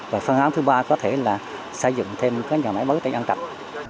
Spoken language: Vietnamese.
và phương án thứ ba có thể là xây dựng thêm cái nhà máy mới tại găng trạch